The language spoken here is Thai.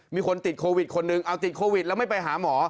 มีคนติดโควิดคนหนึ่งเอาติดโควิดแล้วไม่ไปหาหมอ